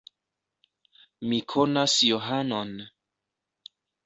Mi konas Johanon.